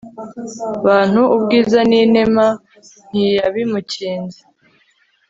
bantu, ubwiza n'inema ntiyabimukinze